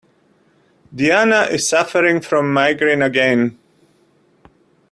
Diana is suffering from migraine again.